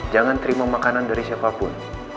jangan terima makanan dari siapapun